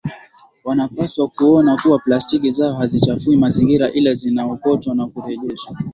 Wanapaswa kuona kuwa plastiki zao hazichafui mazingira ila zinaokotwa na kurejereshwa